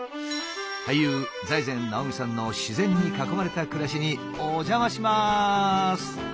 俳優財前直見さんの自然に囲まれた暮らしにお邪魔します！